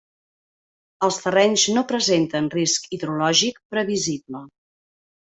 Els terrenys no presenten risc hidrològic previsible.